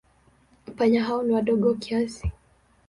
Panya hao ni wadogo kiasi.